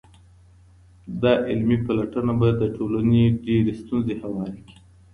دا علمي پلټنه به د ټولني ډېرې ستونزي هوارې کړي.